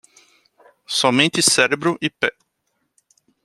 Somente cérebro e pé